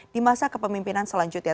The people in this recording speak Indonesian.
di masa kepemimpinan selanjutnya